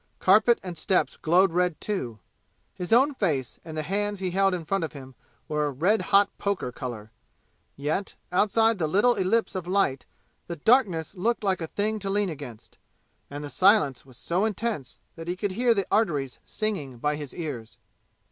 Carpet and steps glowed red too. His own face, and the hands he held in front of him were red hot poker color. Yet outside the little ellipse of light the darkness looked like a thing to lean against, and the silence was so intense that he could hear the arteries singing by his ears.